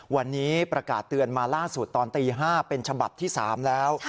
วันนี้ประกาศเตือนมาล่าสุดตอนตี๕เป็นฉบับที่๓แล้ว